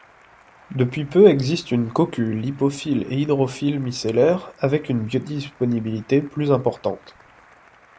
Depuis peu existe une CoQ lipophile et hydrophile micellaire, avec une biodisponibilité plus importante.